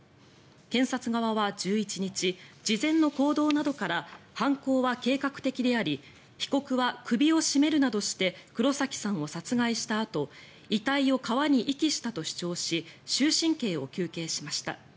検察側は１１日事前の行動などから犯行は計画的であり被告は首を絞めるなどして黒崎さんを殺害したあと遺体を川に遺棄したと主張し終身刑を求刑しました。